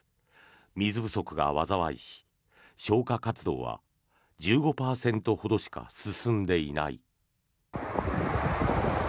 水不足が災いし、消火活動は１５％ほどしか進んでいない。